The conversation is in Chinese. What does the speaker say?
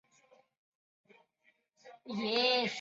生于神奈川县川崎市。